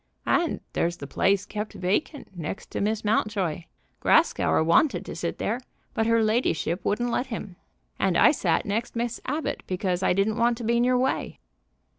"And there's the place kept vacant next to Miss Mountjoy. Grascour wanted to sit there, but her ladyship wouldn't let him. And I sat next Miss Abbott because I didn't want to be in your way."